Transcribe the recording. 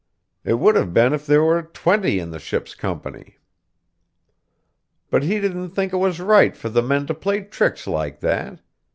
It would have been if there were twenty in the ship's company; but he didn't think it was right for the men to play tricks like that.